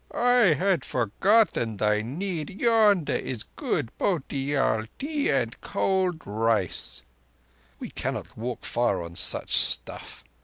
"I had forgotten thy need. Yonder is good Bhotiyal tea and cold rice." "We cannot walk far on such stuff."